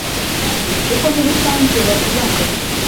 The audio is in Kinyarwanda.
kuko n'ubusanzwe bavuga ngo